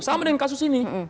sama dengan kasus ini